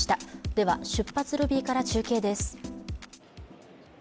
では、出発ロビーから中継です。